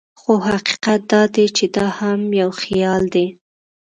خو حقیقت دا دی چې دا هم یو خیال دی.